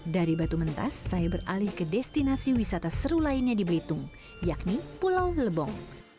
dari batu mentas saya beralih ke destinasi wisata seru lainnya di belitung yakni pulau lebong